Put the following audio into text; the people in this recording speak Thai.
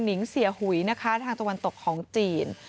นิงเสียหุยนะคะทางตะวันตกของจีน